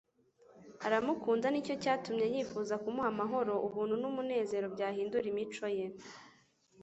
Aramukunda, nicyo cyatumye yifuza kumuha amahoro ubuntu n'umunezero, byahindura imico ye.